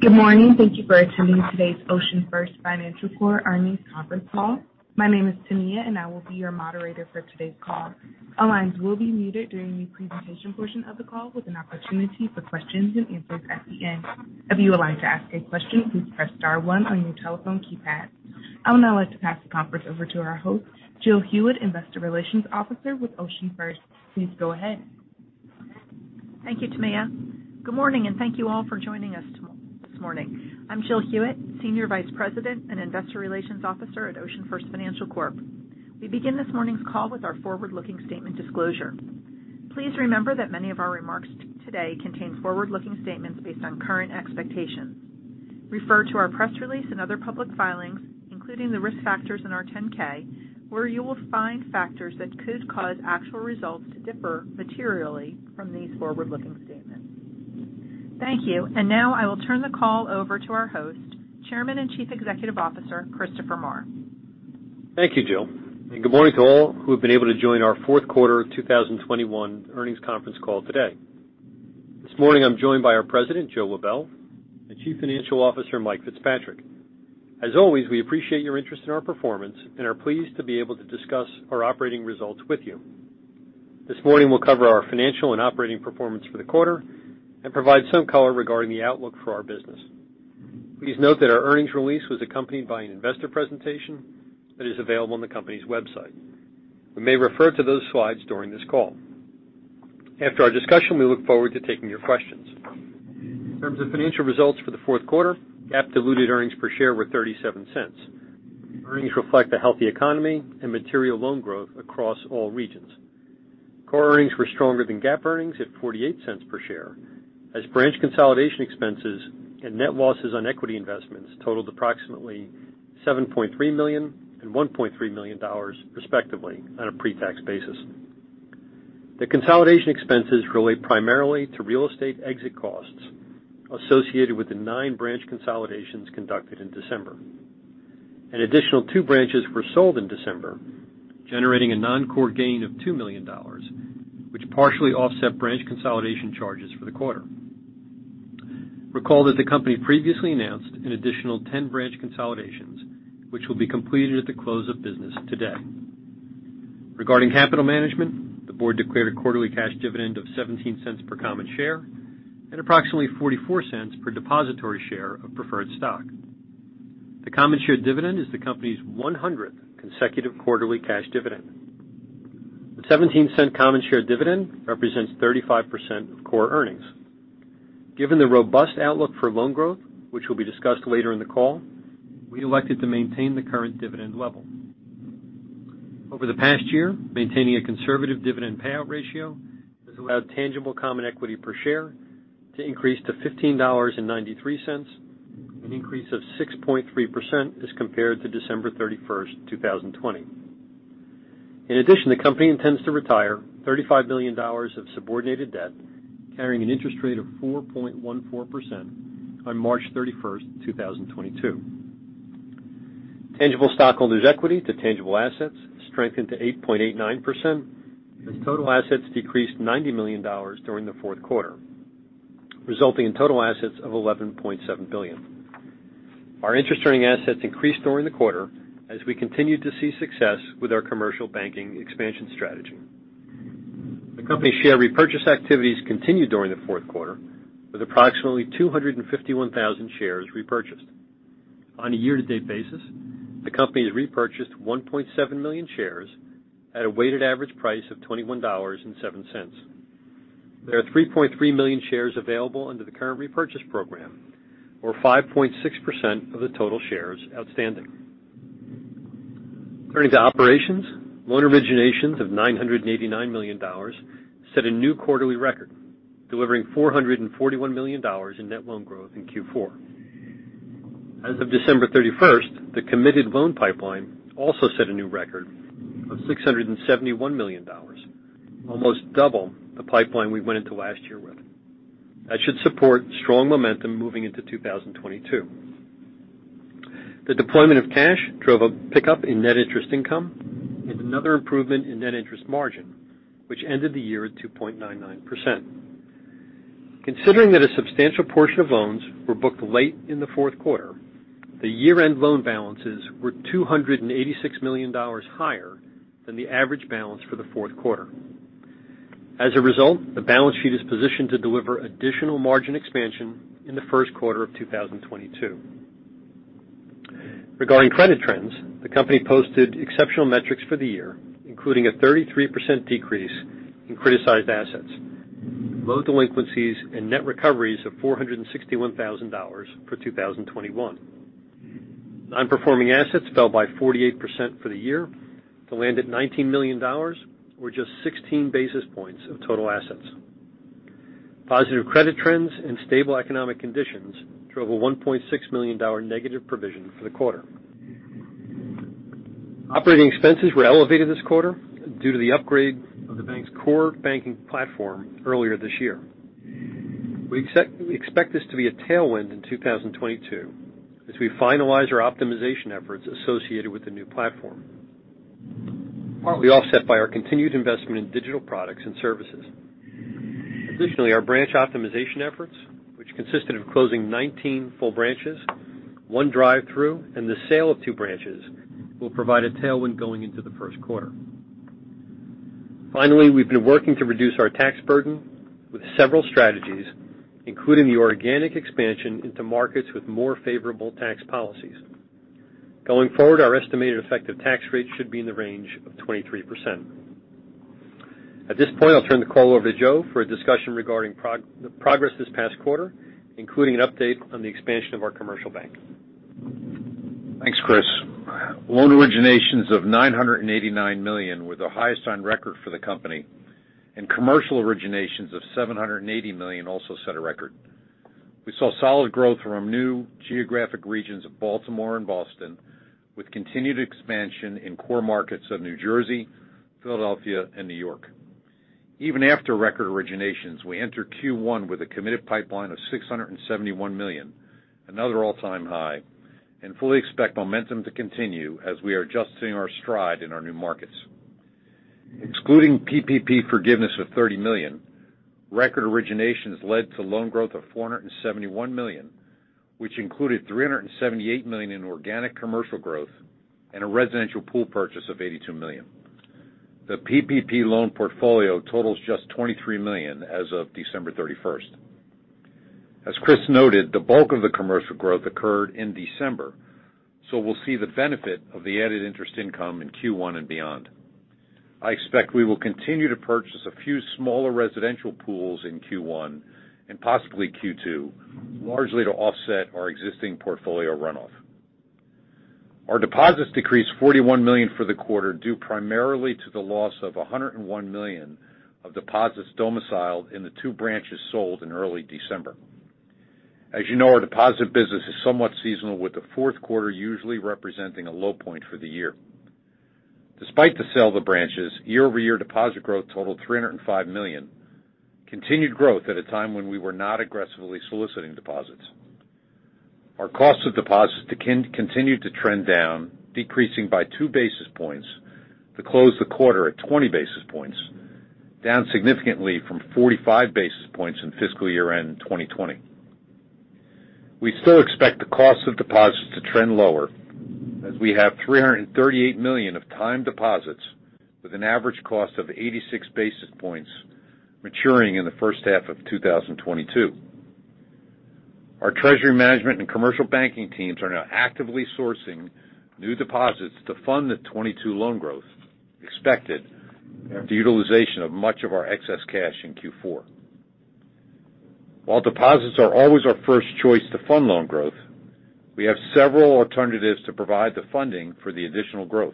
Good morning. Thank you for attending today's OceanFirst Financial Corp Earnings Conference Call. My name is Tania, and I will be your moderator for today's call. All lines will be muted during the presentation portion of the call with an opportunity for questions and answers at the end. If you would like to ask a question, please press star one on your telephone keypad. I would now like to pass the conference over to our host, Jill Hewitt, Investor Relations Officer with OceanFirst. Please go ahead. Thank you, Tania. Good morning, and thank you all for joining us this morning. I'm Jill Hewitt, Senior Vice President and Investor Relations Officer at OceanFirst Financial Corp. We begin this morning's call with our forward-looking statement disclosure. Please remember that many of our remarks today contain forward-looking statements based on current expectations. Refer to our press release and other public filings, including the risk factors in our 10-K, where you will find factors that could cause actual results to differ materially from these forward-looking statements. Thank you. Now I will turn the call over to our host, Chairman and Chief Executive Officer, Christopher Maher. Thank you, Jill, and good morning to all who have been able to join our Fourth Quarter 2021 Earnings Conference Call today. This morning, I'm joined by our President, Joe Lebel, and Chief Financial Officer, Mike Fitzpatrick. As always, we appreciate your interest in our performance and are pleased to be able to discuss our operating results with you. This morning, we'll cover our financial and operating performance for the quarter and provide some color regarding the outlook for our business. Please note that our earnings release was accompanied by an investor presentation that is available on the company's website. We may refer to those slides during this call. After our discussion, we look forward to taking your questions. In terms of financial results for the fourth quarter, GAAP diluted earnings per share were $0.37. Earnings reflect the healthy economy and material loan growth across all regions. Core earnings were stronger than GAAP earnings at $0.48 per share as branch consolidation expenses and net losses on equity investments totaled approximately $7.3 million and $1.3 million, respectively, on a pre-tax basis. The consolidation expenses relate primarily to real estate exit costs associated with the nine branch consolidations conducted in December. An additional two branches were sold in December, generating a non-core gain of $2 million, which partially offset branch consolidation charges for the quarter. Recall that the company previously announced an additional 10 branch consolidations, which will be completed at the close of business today. Regarding capital management, the board declared a quarterly cash dividend of $0.17 per common share and approximately $0.44 per depository share of preferred stock. The common share dividend is the company's 100th consecutive quarterly cash dividend. The 17-cent common share dividend represents 35% of core earnings. Given the robust outlook for loan growth, which will be discussed later in the call, we elected to maintain the current dividend level. Over the past year, maintaining a conservative dividend payout ratio has allowed tangible common equity per share to increase to $15.93, an increase of 6.3% as compared to December 31st, 2020. In addition, the company intends to retire $35 million of subordinated debt carrying an interest rate of 4.14% on March 31st, 2022. Tangible stockholders' equity to tangible assets strengthened to 8.89% as total assets decreased $90 million during the fourth quarter, resulting in total assets of $11.7 billion. Our interest-earning assets increased during the quarter as we continued to see success with our commercial banking expansion strategy. The company's share repurchase activities continued during the fourth quarter with approximately 251,000 shares repurchased. On a year-to-date basis, the company has repurchased 1.7 million shares at a weighted average price of $21.07. There are 3.3 million shares available under the current repurchase program or 5.6% of the total shares outstanding. Turning to operations, loan originations of $989 million set a new quarterly record, delivering $441 million in net loan growth in Q4. As of December 31st, the committed loan pipeline also set a new record of $671 million, almost double the pipeline we went into last year with. That should support strong momentum moving into 2022. The deployment of cash drove a pickup in net interest income and another improvement in net interest margin, which ended the year at 2.99%. Considering that a substantial portion of loans were booked late in the fourth quarter, the year-end loan balances were $286 million higher than the average balance for the fourth quarter. As a result, the balance sheet is positioned to deliver additional margin expansion in the first quarter of 2022. Regarding credit trends, the company posted exceptional metrics for the year, including a 33% decrease in criticized assets, low delinquencies and net recoveries of $461,000 for 2021. Non-performing assets fell by 48% for the year to land at $19 million or just 16 basis points of total assets. Positive credit trends and stable economic conditions drove a $1.6 million negative provision for the quarter. Operating expenses were elevated this quarter due to the upgrade of the bank's core banking platform earlier this year. We expect this to be a tailwind in 2022 as we finalize our optimization efforts associated with the new platform. We offset by our continued investment in digital products and services. Additionally, our branch optimization efforts, which consisted of closing 19 full branches, 1 drive-through, and the sale of 2 branches, will provide a tailwind going into the first quarter. Finally, we've been working to reduce our tax burden with several strategies, including the organic expansion into markets with more favorable tax policies. Going forward, our estimated effective tax rate should be in the range of 23%. At this point, I'll turn the call over to Joe for a discussion regarding the progress this past quarter, including an update on the expansion of our commercial bank. Thanks, Chris. Loan originations of $989 million were the highest on record for the company, and commercial originations of $780 million also set a record. We saw solid growth from new geographic regions of Baltimore and Boston, with continued expansion in core markets of New Jersey, Philadelphia and New York. Even after record originations, we enter Q1 with a committed pipeline of $671 million, another all-time high, and fully expect momentum to continue as we are adjusting our stride in our new markets. Excluding PPP forgiveness of $30 million, record originations led to loan growth of $471 million, which included $378 million in organic commercial growth and a residential pool purchase of $82 million. The PPP loan portfolio totals just $23 million as of December 31st. As Chris noted, the bulk of the commercial growth occurred in December, so we'll see the benefit of the added interest income in Q1 and beyond. I expect we will continue to purchase a few smaller residential pools in Q1 and possibly Q2, largely to offset our existing portfolio runoff. Our deposits decreased $41 million for the quarter, due primarily to the loss of $101 million of deposits domiciled in the two branches sold in early December. As you know, our deposit business is somewhat seasonal, with the fourth quarter usually representing a low point for the year. Despite the sale of the branches, year-over-year deposit growth totaled $305 million, continued growth at a time when we were not aggressively soliciting deposits. Our cost of deposits continued to trend down, decreasing by 2 basis points to close the quarter at 20 basis points, down significantly from 45 basis points in fiscal year-end 2020. We still expect the cost of deposits to trend lower as we have $338 million of time deposits with an average cost of 86 basis points maturing in the first half of 2022. Our treasury management and commercial banking teams are now actively sourcing new deposits to fund the 2022 loan growth expected after utilization of much of our excess cash in Q4. While deposits are always our first choice to fund loan growth, we have several alternatives to provide the funding for the additional growth.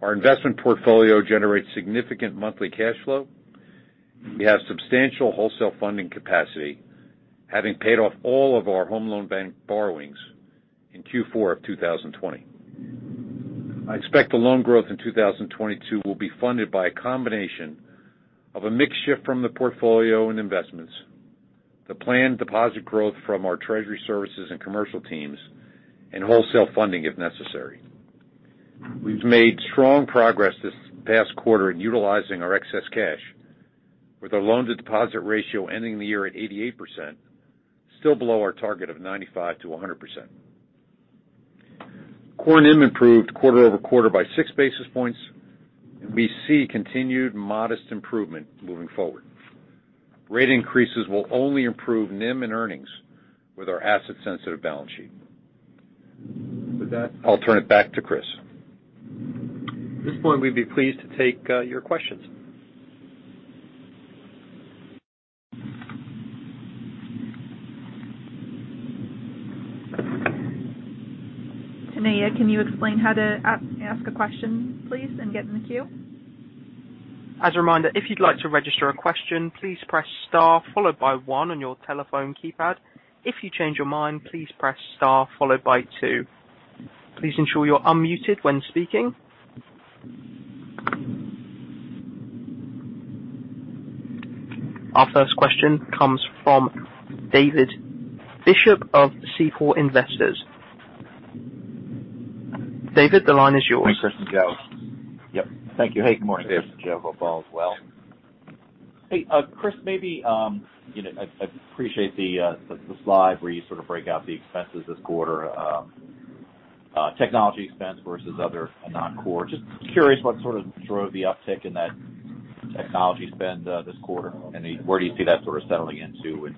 Our investment portfolio generates significant monthly cash flow. We have substantial wholesale funding capacity, having paid off all of our home loan bank borrowings in Q4 of 2020. I expect the loan growth in 2022 will be funded by a combination of a mix shift from the portfolio and investments, the planned deposit growth from our treasury services and commercial teams, and wholesale funding if necessary. We've made strong progress this past quarter in utilizing our excess cash, with our loan to deposit ratio ending the year at 88%, still below our target of 95%-100%. Core NIM improved quarter-over-quarter by 6 basis points, and we see continued modest improvement moving forward. Rate increases will only improve NIM and earnings with our asset-sensitive balance sheet. With that, I'll turn it back to Chris. At this point, we'd be pleased to take your questions. Tania, can you explain how to ask a question, please, and get in the queue? As a reminder, if you'd like to register a question, please press star followed by one on your telephone keypad. If you change your mind, please press star followed by two. Please ensure you're unmuted when speaking. Our first question comes from David Bishop of Seaport Investors. David, the line is yours. Hi, Chris and Joe. Yep. Thank you. Hey, good morning, Chris and Joe. Hope all is well. Hey, Chris, maybe, you know, I appreciate the slide where you sort of break out the expenses this quarter, technology expense versus other and non-core. Just curious what sort of drove the uptick in that technology spend, this quarter, and where do you see that sort of settling into in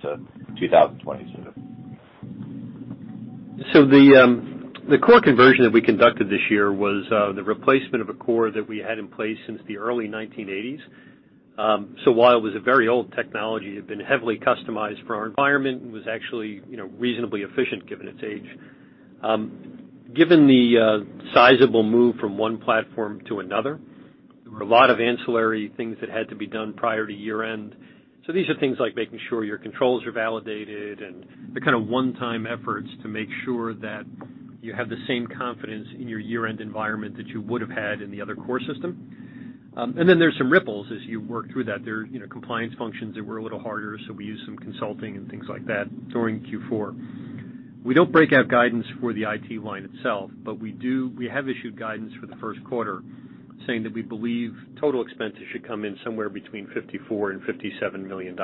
2022? The core conversion that we conducted this year was the replacement of a core that we had in place since the early 1980s. While it was a very old technology, it had been heavily customized for our environment and was actually, you know, reasonably efficient given its age. Given the sizable move from one platform to another, there were a lot of ancillary things that had to be done prior to year-end. These are things like making sure your controls are validated and the kind of one-time efforts to make sure that you have the same confidence in your year-end environment that you would have had in the other core system. Then there's some ripples as you work through that. There are, you know, compliance functions that were a little harder, so we used some consulting and things like that during Q4. We don't break out guidance for the IT line itself, but we have issued guidance for the first quarter saying that we believe total expenses should come in somewhere between $54 million and $57 million.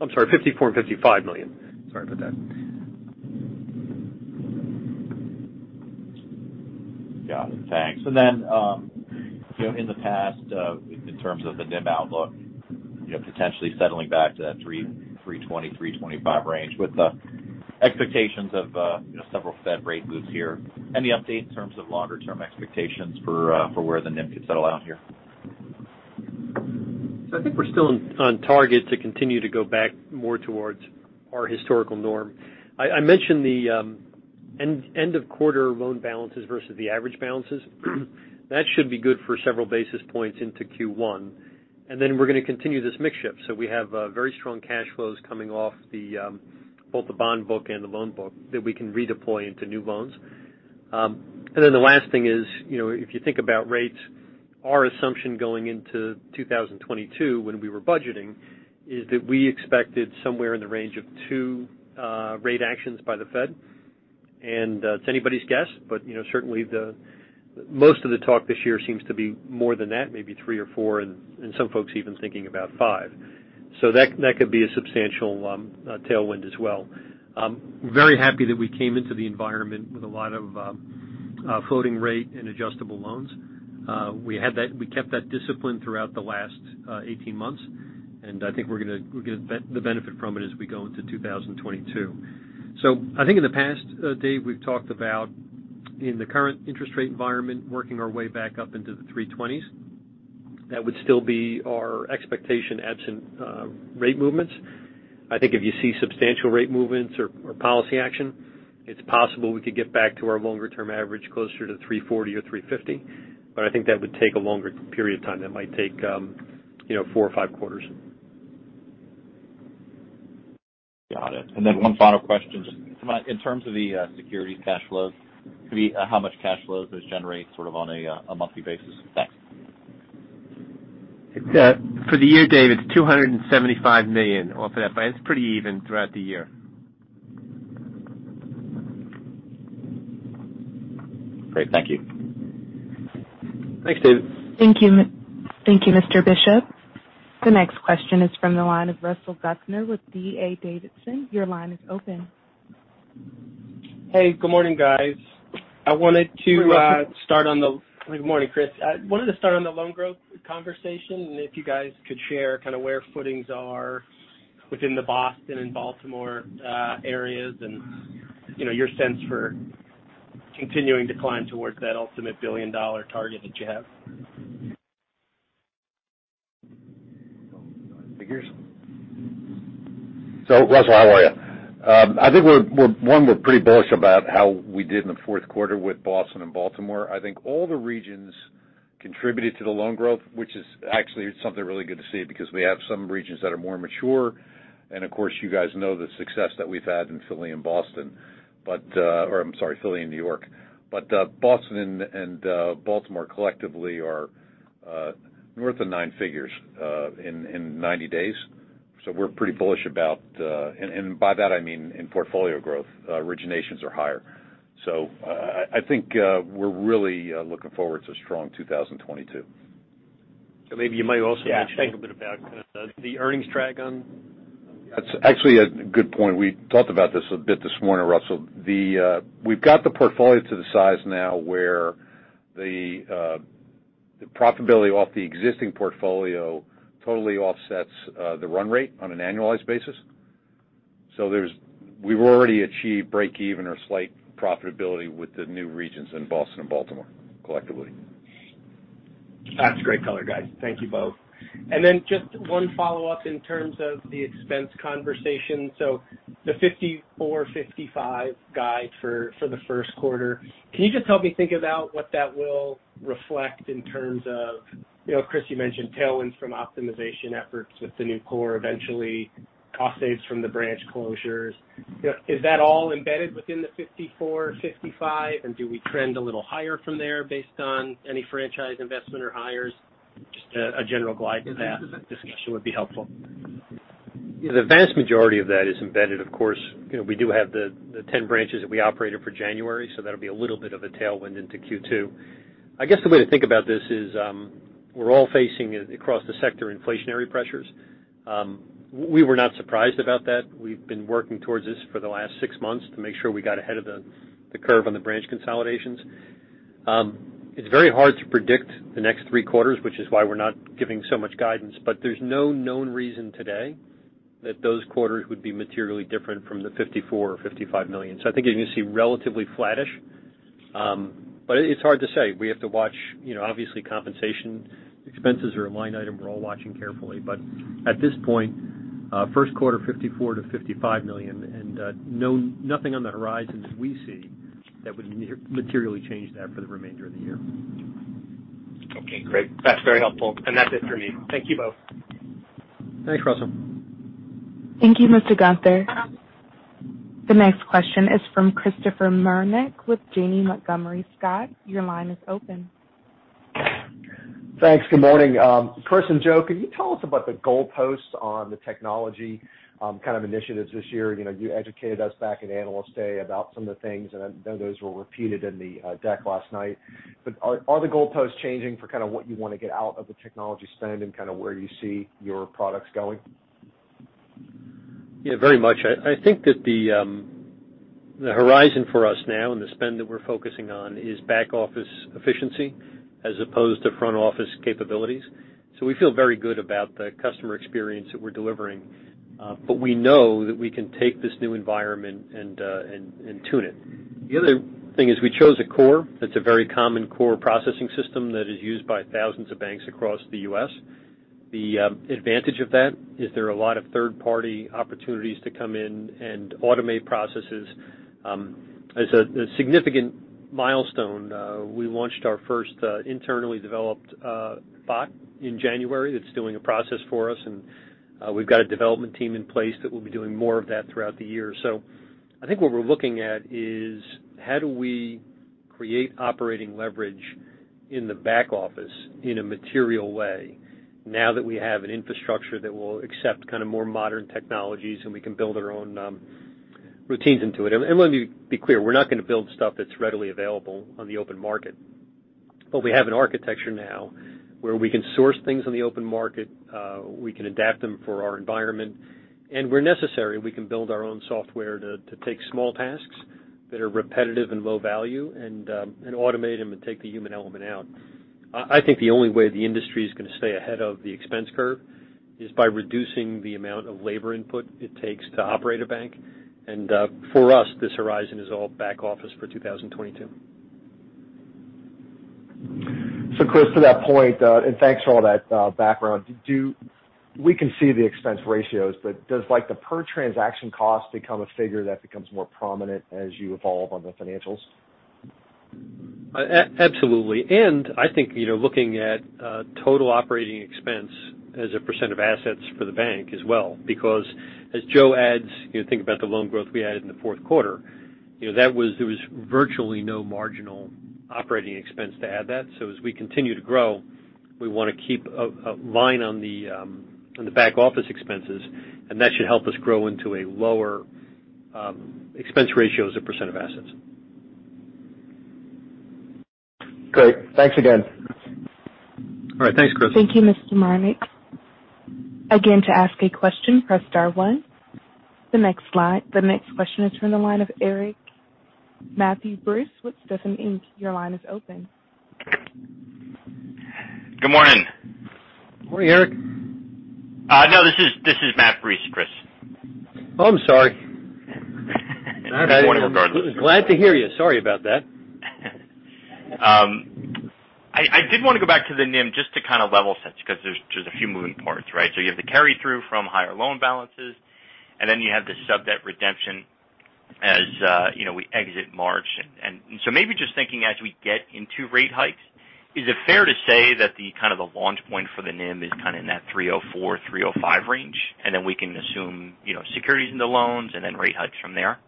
I'm sorry, $54 million and $55 million. Sorry about that. Got it. Thanks. You know, in the past, in terms of the NIM outlook, you know, potentially settling back to that 3.20, 3.25 range with the expectations of, you know, several Fed rate moves here. Any update in terms of longer term expectations for where the NIM could settle out here? I think we're still on target to continue to go back more towards our historical norm. I mentioned the end of quarter loan balances versus the average balances. That should be good for several basis points into Q1. Then we're gonna continue this mix shift. We have very strong cash flows coming off both the bond book and the loan book that we can redeploy into new loans. Then the last thing is, you know, if you think about rates, our assumption going into 2022 when we were budgeting is that we expected somewhere in the range of two rate actions by the Fed. It's anybody's guess, but you know, certainly most of the talk this year seems to be more than that, maybe three or four, and some folks even thinking about five. That could be a substantial tailwind as well. Very happy that we came into the environment with a lot of floating rate and adjustable loans. We kept that discipline throughout the last 18 months, and I think we're gonna get the benefit from it as we go into 2022. I think in the past, Dave, we've talked about, in the current interest rate environment, working our way back up into the 3.20s. That would still be our expectation absent rate movements. I think if you see substantial rate movements or policy action, it's possible we could get back to our longer term average, closer to 3.40% or 3.50%. I think that would take a longer period of time. That might take, you know, four or five quarters. Got it. Then one final question, just in terms of the securities cash flows, how much cash flow does it generate sort of on a monthly basis? Thanks. It's for the year, Dave, it's $275 million off of that, but it's pretty even throughout the year. Great. Thank you. Thanks, Dave. Thank you, Mr. Bishop. The next question is from the line of Russell Gunther with D.A. Davidson. Your line is open. Hey, good morning, guys. I wanted to Good morning. Good morning, Chris. I wanted to start on the loan growth conversation, and if you guys could share kind of where footings are within the Boston and Baltimore areas and your sense for continuing to climb towards that ultimate billion-dollar target that you have. Russell, how are ya? I think we're pretty bullish about how we did in the fourth quarter with Boston and Baltimore. I think all the regions contributed to the loan growth, which is actually something really good to see because we have some regions that are more mature. Of course, you guys know the success that we've had in Philly and Boston. Or I'm sorry, Philly and New York. Boston and Baltimore collectively are north of nine figures in 90 days. We're pretty bullish about, and by that I mean in portfolio growth, originations are higher. I think we're really looking forward to strong 2022. Maybe you might also mention a bit about kind of the earnings drag on. That's actually a good point. We talked about this a bit this morning, Russell. We've got the portfolio to the size now where the profitability off the existing portfolio totally offsets the run rate on an annualized basis. We've already achieved break even or slight profitability with the new regions in Boston and Baltimore collectively. That's great color, guys. Thank you both. Then just one follow-up in terms of the expense conversation. The $54-$55 guide for the first quarter, can you just help me think about what that will reflect in terms of, you know, Chris, you mentioned tailwinds from optimization efforts with the new core, eventually cost saves from the branch closures. You know, is that all embedded within the $54-$55? Do we trend a little higher from there based on any franchise investment or hires? Just a general glide to that discussion would be helpful. The vast majority of that is embedded, of course. You know, we do have the 10 branches that we operated for January, so that'll be a little bit of a tailwind into Q2. I guess the way to think about this is, we're all facing across the sector inflationary pressures. We were not surprised about that. We've been working towards this for the last six months to make sure we got ahead of the curve on the branch consolidations. It's very hard to predict the next three quarters, which is why we're not giving so much guidance. There's no known reason today that those quarters would be materially different from the $54 million or $55 million. I think you're gonna see relatively flattish. It's hard to say. We have to watch, you know, obviously compensation expenses are a line item we're all watching carefully. At this point, first quarter, $54 million-$55 million, and nothing on the horizon as we see that would materially change that for the remainder of the year. Okay, great. That's very helpful. That's it for me. Thank you both. Thanks, Russell. Thank you, Mr. Gunther. The next question is from Christopher Marinac with Janney Montgomery Scott. Your line is open. Thanks. Good morning. Chris and Joe, can you tell us about the goalposts on the technology kind of initiatives this year? You know, you educated us back in Analyst Day about some of the things, and I know those were repeated in the deck last night. Are the goalposts changing for kind of what you want to get out of the technology spend and kind of where you see your products going? Yeah, very much. I think that the horizon for us now and the spend that we're focusing on is back office efficiency as opposed to front office capabilities. We feel very good about the customer experience that we're delivering. We know that we can take this new environment and tune it. The other thing is we chose a core that's a very common core processing system that is used by thousands of banks across the U.S. The advantage of that is there are a lot of third-party opportunities to come in and automate processes. As a significant milestone, we launched our first internally developed bot in January that's doing a process for us. We've got a development team in place that will be doing more of that throughout the year. I think what we're looking at is how do we create operating leverage in the back office in a material way now that we have an infrastructure that will accept kind of more modern technologies and we can build our own routines into it. Let me be clear, we're not gonna build stuff that's readily available on the open market. We have an architecture now where we can source things on the open market, we can adapt them for our environment, and where necessary, we can build our own software to take small tasks that are repetitive and low value and automate them and take the human element out. I think the only way the industry is gonna stay ahead of the expense curve is by reducing the amount of labor input it takes to operate a bank. For us, this horizon is all back office for 2022. Chris, to that point, and thanks for all that background. We can see the expense ratios, but does like the per transaction cost become a figure that becomes more prominent as you evolve on the financials? Absolutely. I think, you know, looking at total operating expense as a percent of assets for the bank as well, because as Joe adds, you know, think about the loan growth we added in the fourth quarter. You know, there was virtually no marginal operating expense to add that. So as we continue to grow, we wanna keep a line on the back office expenses, and that should help us grow into a lower expense ratios as a percent of assets. Great. Thanks again. All right. Thanks, Chris. Thank you, Mr. Marinac. Again, to ask a question, press star one. The next question is from the line of Matt Breese with Stephens Inc. Your line is open. Good morning. Morning, Erik. No, this is Matt Breese, Chris. Oh, I'm sorry. Good morning regardless. Glad to hear you. Sorry about that. I did wanna go back to the NIM just to kind of level set because there's a few moving parts, right? You have the carry-through from higher loan balances, and then you have the sub debt redemption as you know, we exit March. Maybe just thinking as we get into rate hikes, is it fair to say that the kind of the launch point for the NIM is kind of in that 3.04%-3.05% range, and then we can assume you know, securities into loans and then rate hikes from there?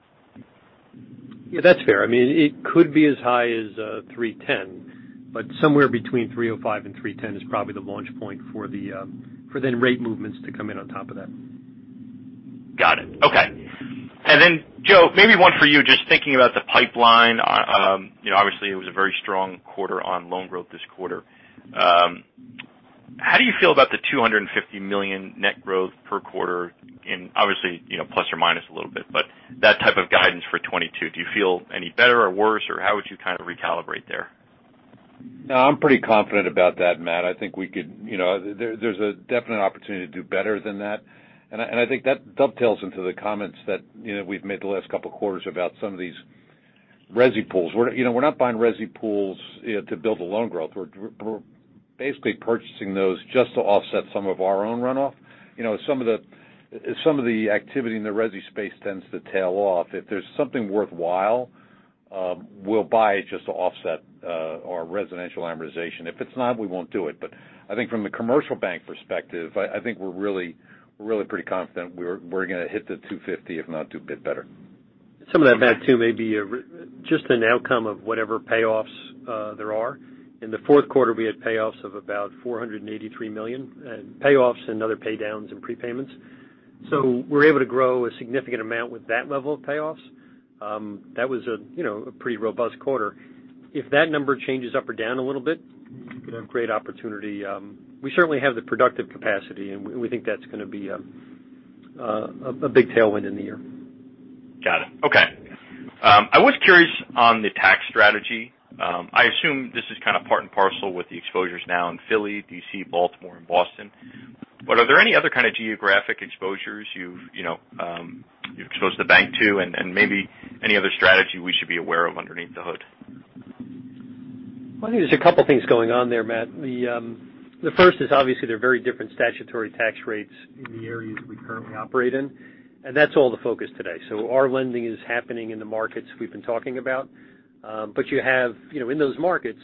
Yeah, that's fair. I mean, it could be as high as 3.10%, but somewhere between 3.05% and 3.10% is probably the launch point for the rate movements to come in on top of that. Got it. Okay. Joe, maybe one for you just thinking about the pipeline. You know, obviously it was a very strong quarter on loan growth this quarter. How do you feel about the $250 million net growth per quarter and obviously, you know, plus or minus a little bit. That type of guidance for 2022, do you feel any better or worse, or how would you kind of recalibrate there? No, I'm pretty confident about that, Matt. I think we could. You know, there's a definite opportunity to do better than that. I think that dovetails into the comments that, you know, we've made the last couple of quarters about some of these resi pools. You know, we're not buying resi pools to build the loan growth. We're basically purchasing those just to offset some of our own runoff. You know, some of the activity in the resi space tends to tail off. If there's something worthwhile, we'll buy it just to offset our residential amortization. If it's not, we won't do it. I think from a commercial bank perspective, I think we're really pretty confident we're gonna hit 250, if not do a bit better. Some of that, Matt, too, may be just an outcome of whatever payoffs there are. In the fourth quarter, we had payoffs of about $483 million and other pay downs and prepayments. We're able to grow a significant amount with that level of payoffs. That was, you know, a pretty robust quarter. If that number changes up or down a little bit, we have great opportunity. We certainly have the productive capacity, and we think that's gonna be a big tailwind in the year. Got it. Okay. I was curious on the tax strategy. I assume this is kind of part and parcel with the exposures now in Philly, D.C., Baltimore, and Boston. Are there any other kind of geographic exposures you've you know exposed the bank to, and maybe any other strategy we should be aware of underneath the hood? Well, I think there's a couple things going on there, Matt. The first is obviously there are very different statutory tax rates in the areas we currently operate in, and that's all the focus today. Our lending is happening in the markets we've been talking about. You have, you know, in those markets,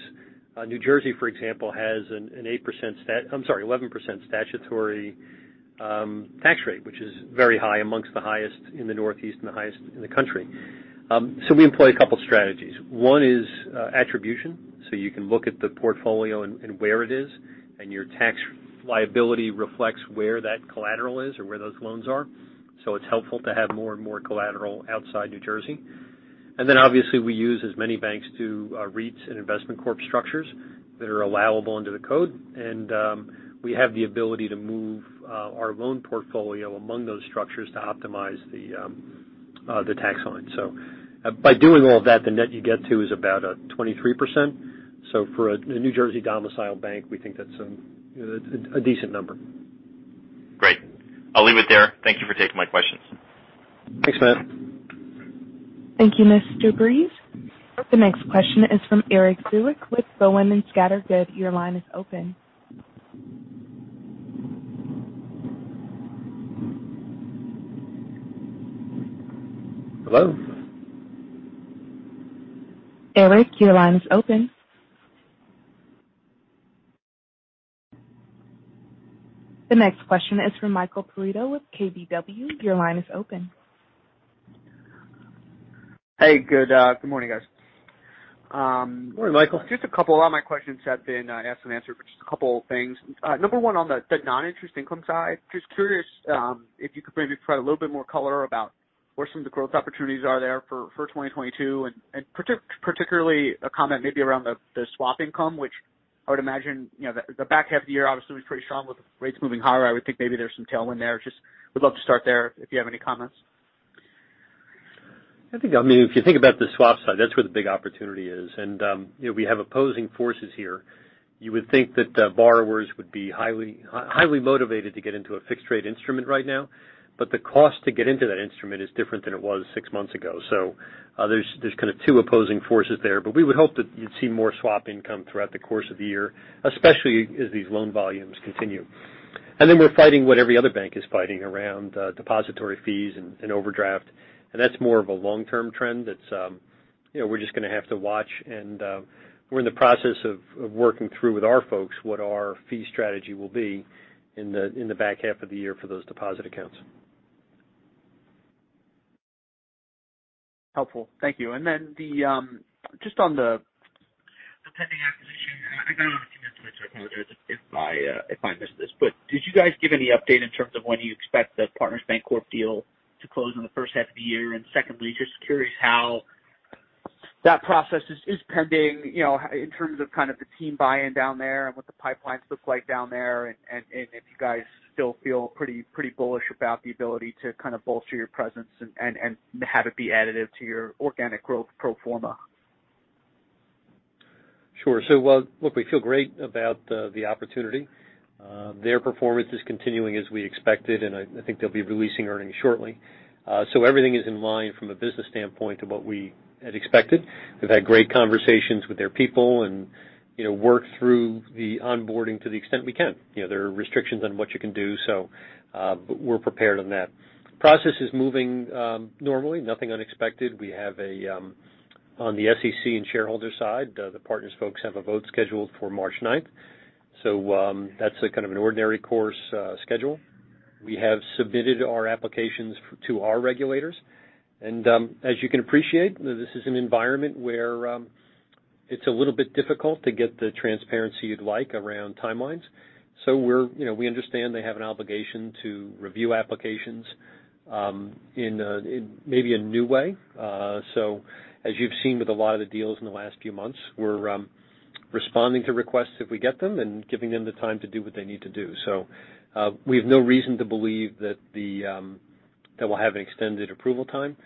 New Jersey, for example, has an 11% statutory tax rate, which is very high, among the highest in the Northeast and the highest in the country. We employ a couple strategies. One is attribution, so you can look at the portfolio and where it is, and your tax liability reflects where that collateral is or where those loans are. It's helpful to have more and more collateral outside New Jersey. Obviously we use as many banks do, REITs and investment corp structures that are allowable under the code. We have the ability to move our loan portfolio among those structures to optimize the tax line. By doing all of that, the net you get to is about 23%. For a New Jersey domicile bank, we think that's a decent number. Great. I'll leave it there. Thank you for taking my questions. Thanks, Matt. Thank you, Mr. Breese. The next question is from Erik Zwick with Boenning & Scattergood. Your line is open. Hello? Erik, your line is open. The next question is from Michael Perito with KBW. Your line is open. Hey, good morning, guys. Morning, Michael. Just a couple. A lot of my questions have been asked and answered, but just a couple things. Number one, on the non-interest income side, just curious if you could maybe provide a little bit more color about where some of the growth opportunities are there for 2022, and particularly a comment maybe around the swap income, which I would imagine the back half of the year obviously was pretty strong with rates moving higher. I would think maybe there's some tailwind there. Just would love to start there, if you have any comments. I think, I mean, if you think about the swap side, that's where the big opportunity is. You know, we have opposing forces here. You would think that borrowers would be highly motivated to get into a fixed rate instrument right now, but the cost to get into that instrument is different than it was six months ago. There's kind of two opposing forces there. We would hope that you'd see more swap income throughout the course of the year, especially as these loan volumes continue. Then we're fighting what every other bank is fighting around depository fees and overdraft. That's more of a long-term trend that you know, we're just gonna have to watch. We're in the process of working through with our folks what our fee strategy will be in the back half of the year for those deposit accounts. Helpful. Thank you. Just on the pending acquisition, I got a lot of commitments, so I apologize if I missed this. Did you guys give any update in terms of when you expect the Partners Bancorp deal to close in the first half of the year? Secondly, just curious how that process is pending, you know, in terms of kind of the team buy-in down there and what the pipelines look like down there, and if you guys still feel pretty bullish about the ability to kind of bolster your presence and have it be additive to your organic growth pro forma. Sure. Well, look, we feel great about the opportunity. Their performance is continuing as we expected, and I think they'll be releasing earnings shortly. Everything is in line from a business standpoint to what we had expected. We've had great conversations with their people and, you know, worked through the onboarding to the extent we can. You know, there are restrictions on what you can do, but we're prepared on that. Process is moving normally, nothing unexpected. On the SEC and shareholder side, the Partners folks have a vote scheduled for March ninth. That's a kind of an ordinary course schedule. We have submitted our applications to our regulators. As you can appreciate, this is an environment where it's a little bit difficult to get the transparency you'd like around timelines. You know, we understand they have an obligation to review applications in maybe a new way. As you've seen with a lot of the deals in the last few months, we're responding to requests if we get them and giving them the time to do what they need to do. We have no reason to believe that we'll have an extended approval time.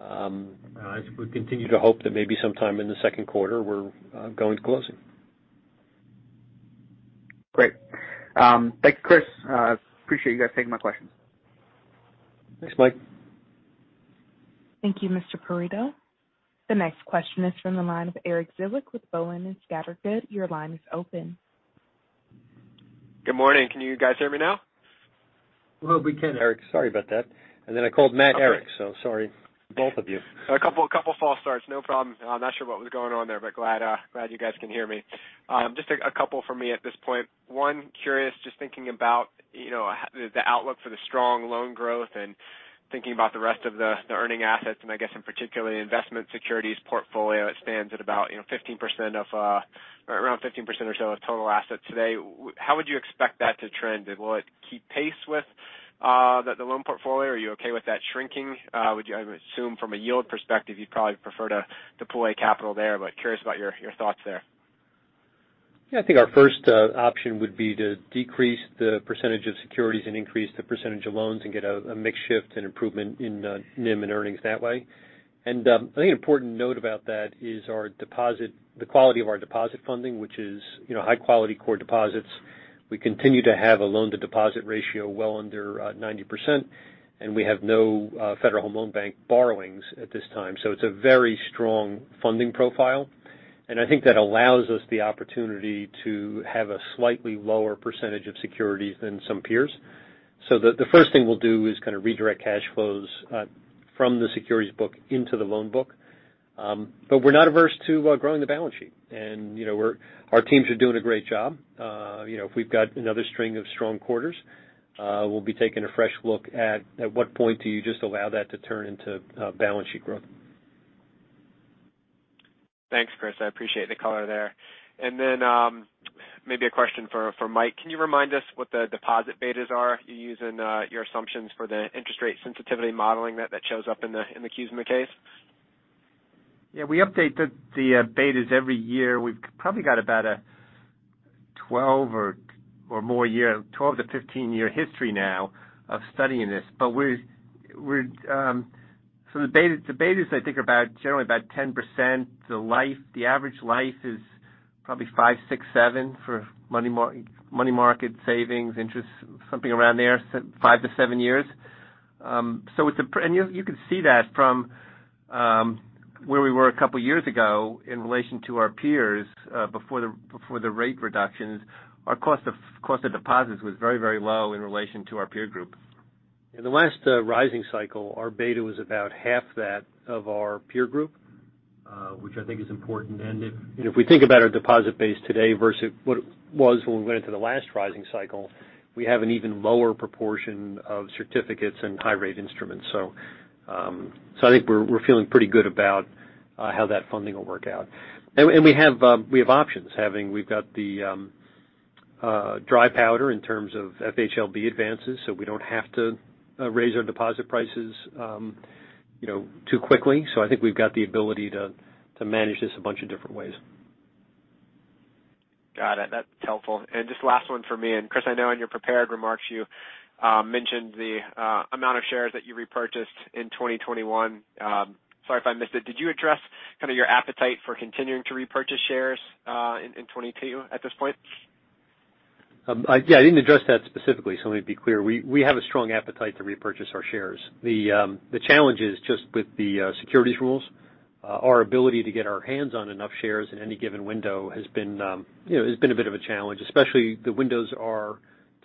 As we continue to hope that maybe sometime in the second quarter, we're going to closing. Great. Thank you, Chris. I appreciate you guys taking my questions. Thanks, Mike. Thank you, Mr. Perito. The next question is from the line of Erik Zwick with Boenning & Scattergood. Your line is open. Good morning. Can you guys hear me now? Well, we can, Erik. Sorry about that. I called Matt Erik, so sorry to both of you. A couple false starts. No problem. I'm not sure what was going on there, but glad you guys can hear me. Just a couple from me at this point. One, curious, just thinking about, you know, the outlook for the strong loan growth and thinking about the rest of the earning assets, and I guess in particular investment securities portfolio. It stands at about, you know, 15% of around 15% or so of total assets today. How would you expect that to trend? Will it keep pace with the loan portfolio? Are you okay with that shrinking? I would assume from a yield perspective, you'd probably prefer to deploy capital there, but curious about your thoughts there. Yeah. I think our first option would be to decrease the percentage of securities and increase the percentage of loans and get a mix shift and improvement in NIM and earnings that way. I think an important note about that is our deposit, the quality of our deposit funding, which is, you know, high quality core deposits. We continue to have a loan to deposit ratio well under 90%, and we have no Federal Home Loan Bank borrowings at this time. It's a very strong funding profile. I think that allows us the opportunity to have a slightly lower percentage of securities than some peers. The first thing we'll do is kind of redirect cash flows from the securities book into the loan book. We're not averse to growing the balance sheet. You know, our teams are doing a great job. You know, if we've got another string of strong quarters, we'll be taking a fresh look at what point do you just allow that to turn into balance sheet growth. Thanks, Chris. I appreciate the color there. Then, maybe a question for Mike. Can you remind us what the deposit betas are you use in your assumptions for the interest rate sensitivity modeling that shows up in the Qs and the Ks? Yeah, we update the betas every year. We've probably got about a 12- to 15-year history now of studying this. The betas I think are generally about 10%. The average life is probably five, six, seven for money market savings interest, something around there, so 5 years-7 years. You can see that from where we were a couple years ago in relation to our peers before the rate reductions. Our cost of deposits was very low in relation to our peer group. In the last rising cycle, our beta was about half that of our peer group, which I think is important. If you know, if we think about our deposit base today versus what it was when we went into the last rising cycle, we have an even lower proportion of certificates and high rate instruments. I think we're feeling pretty good about how that funding will work out. We have options. We've got the dry powder in terms of FHLB advances, so we don't have to raise our deposit prices you know too quickly. I think we've got the ability to manage this a bunch of different ways. Got it. That's helpful. Just last one for me. Chris, I know in your prepared remarks you mentioned the amount of shares that you repurchased in 2021. Sorry if I missed it. Did you address kind of your appetite for continuing to repurchase shares in 2022 at this point? I didn't address that specifically, so let me be clear. We have a strong appetite to repurchase our shares. The challenge is just with the securities rules, our ability to get our hands on enough shares in any given window has been, you know, a bit of a challenge, especially the windows are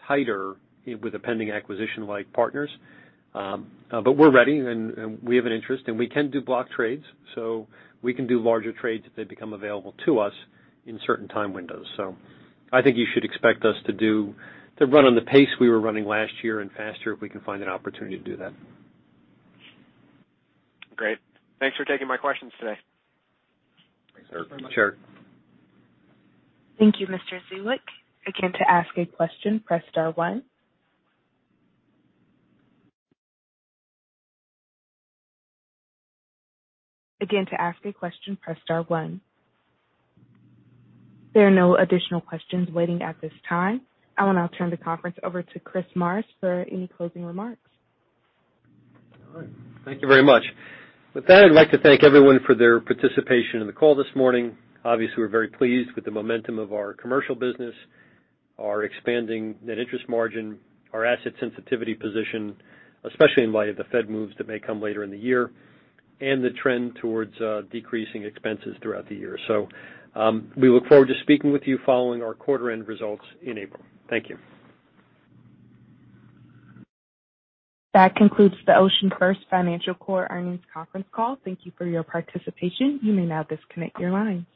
tighter with a pending acquisition like Partners. But we're ready and we have an interest, and we can do block trades. We can do larger trades if they become available to us in certain time windows. I think you should expect us to run on the pace we were running last year and faster if we can find an opportunity to do that. Great. Thanks for taking my questions today. Thanks very much. Sure. Thank you, Mr. Zwick. Again, to ask a question, press star one. There are no additional questions waiting at this time. I will now turn the conference over to Christopher Maher for any closing remarks. All right. Thank you very much. With that, I'd like to thank everyone for their participation in the call this morning. Obviously, we're very pleased with the momentum of our commercial business, our expanding net interest margin, our asset sensitivity position, especially in light of the Fed moves that may come later in the year, and the trend towards decreasing expenses throughout the year. We look forward to speaking with you following our quarter end results in April. Thank you. That concludes the OceanFirst Financial Corp. Earnings Conference Call. Thank you for your participation. You may now disconnect your line.